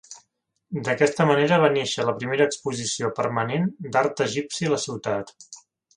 D'aquesta manera va néixer la primera exposició permanent d'art egipci a la ciutat.